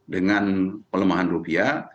dengan pelemahan rupiah